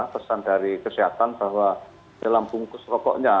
pesan dari kesehatan bahwa dalam bungkus rokoknya